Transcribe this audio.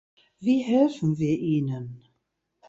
Wie helfen wir ihnen?